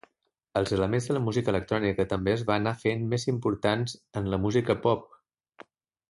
Els elements de la música electrònica també es van anar fent més importants en la música pop.